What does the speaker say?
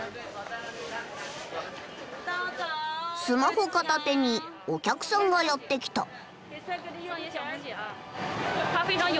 スマホ片手にお客さんがやって来た。